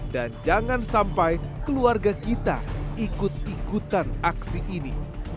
dan jangan sampai keluarga kita ikut ikutan aksi ini